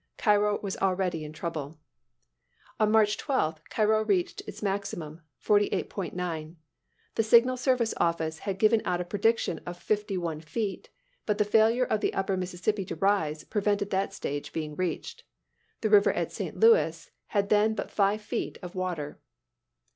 Cairo was already in trouble. On March 12, Cairo reached its maximum, 48.9. The Signal Service Office had given out a prediction of fifty one feet, but the failure of the upper Mississippi to rise, prevented that stage being reached. The river at St. Louis had then but five feet of water.